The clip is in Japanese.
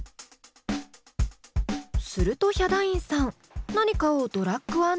するとヒャダインさん何かをドラッグ＆ドロップ。